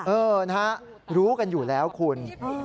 เออนะฮะรู้กันอยู่แล้วคุณ